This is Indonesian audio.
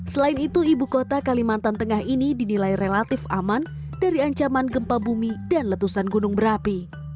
selain itu ibu kota kalimantan tengah ini dinilai relatif aman dari ancaman gempa bumi dan letusan gunung berapi